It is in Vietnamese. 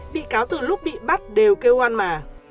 bị cáo từ lúc bị bắt đều kêu an mà